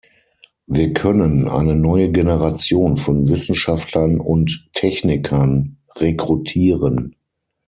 Wir können eine neue Generation von Wissenschaftlern und Technikern rekrutieren.